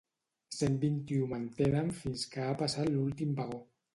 Cent vint-i-u mantenen fins que ha passat l'últim vagó.